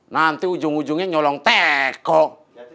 nanti ujung ujungnya nyolong tekok